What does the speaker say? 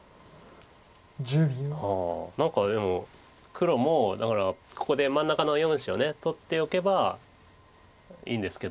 ああ何かでも黒もだからここで真ん中の４子を取っておけばいいんですけど。